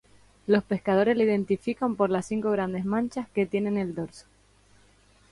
Los pescadores le identifican por las cinco grandes manchas que tiene en el dorso.